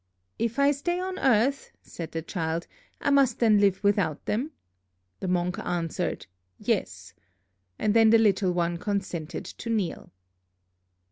'If I stay on earth,' said the child, 'I must then live without them?' The monk answered 'Yes'; and then the little one consented to kneel."